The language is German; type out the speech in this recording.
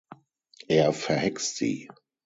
Er verhext sie.